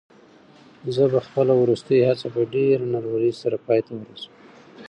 زه به خپله وروستۍ هڅه په ډېرې نره ورۍ سره پای ته ورسوم.